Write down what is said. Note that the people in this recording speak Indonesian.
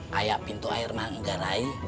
kayak pintu air manggarai